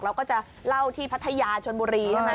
เราก็จะเล่าที่พัทยาชนบุรีใช่ไหม